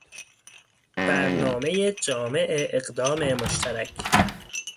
برنامه جامع اقدام مشترک